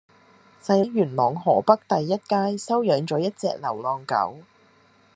細佬喺元朗河北第一街收養左一隻流浪狗